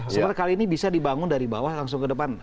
sumber kali ini bisa dibangun dari bawah langsung ke depan